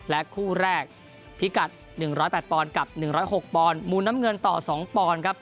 และคู่แรกพี่กัด๑๐๘ปกับ๑๐๖ปมูลน้ำเงินต่อ๒ปครับ